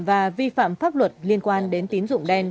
và vi phạm pháp luật liên quan đến tín dụng đen